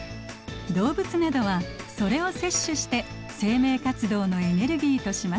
動物などはそれを摂取して生命活動のエネルギーとします。